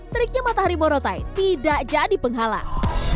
triknya matahari moratai tidak jadi penghalang